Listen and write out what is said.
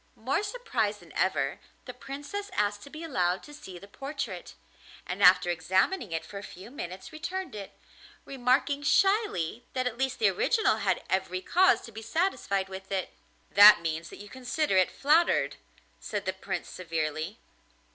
More surprised than ever, the Princess asked to be allowed to see the portrait, and after examining it for a few minutes returned it, remarking shyly that at least the original had every cause to be satisfied with it. 'That means that you consider it flattered,' said the Prince severely.